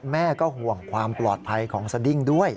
แม่ก็ห่วงความปลอดภัยของสดิ้งด้วย